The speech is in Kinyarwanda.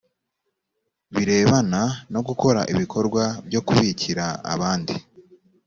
birebana no gukora ibikorwa byo kubikira abandi